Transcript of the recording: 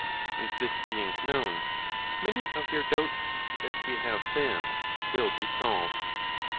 And this being known, many of your doubts, as we have said, will be solved.